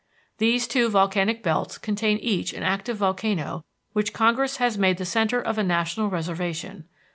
These two volcanic belts contain each an active volcano which Congress has made the centre of a national reservation.